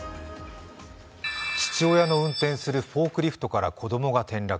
父親の運転するフォークリフトから子供が転落。